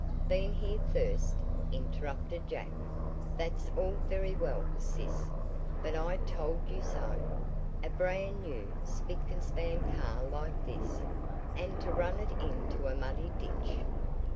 "Been here first," interrupted Jack. "That's all very well, sis. But I told you so! A brand new, spick and span car like this! And to run it into a muddy ditch!"